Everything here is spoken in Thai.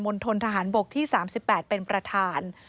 ณฑนทหารบกที่๓๘เป็นประธาน